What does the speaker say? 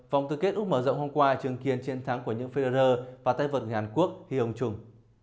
vòng tư kết úc mở rộng hôm qua chứng kiến chiến thắng của những federer và tay vợt ngàn quốc hi hồng trung